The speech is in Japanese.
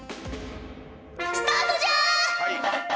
スタートじゃ！